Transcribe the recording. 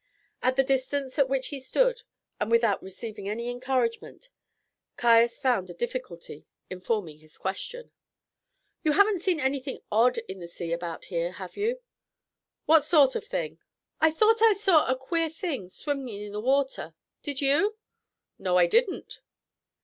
At the distance at which he stood, and without receiving any encouragement, Caius found a difficulty in forming his question. "You haven't seen anything odd in the sea about here, have you?" "What sort of a thing?" "I thought I saw a queer thing swimming in the water did you?" "No, I didn't."